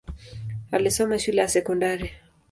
Alisoma shule ya sekondari.